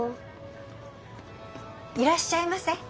いらっしゃいませ。